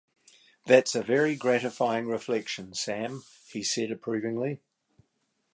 ‘That’s a very gratifying reflection, Sam,’ he said approvingly.